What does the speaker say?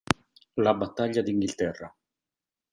La battaglia d'Inghilterra.